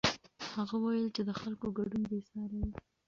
هغه وویل چې د خلکو ګډون بېساری و.